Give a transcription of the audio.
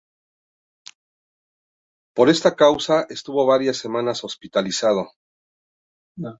Por esta causa estuvo varias semanas hospitalizado.